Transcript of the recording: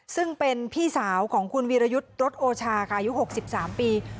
ซึ่งเป็นพี่สาวของคุณวีรยุทธ์รถโอชาค่ะอายุ๖๓ปี